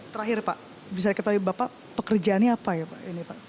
terakhir pak bisa ketahui bapak pekerjaannya apa ya pak